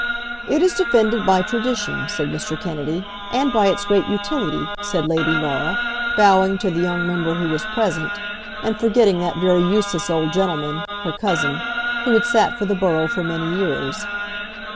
"It is defended by tradition," said Mr. Kennedy. "And by its great utility," said Lady Laura, bowing to the young member who was present, and forgetting that very useless old gentleman, her cousin, who had sat for the borough for many years.